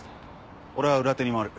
俺は裏手に回る。